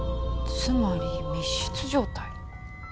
つまり密室状態。